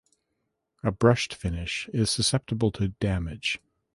A brushed finish is susceptible to damage.